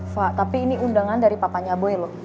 pak tapi ini undangan dari papanya boy loh